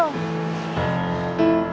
maaf saya harus pergi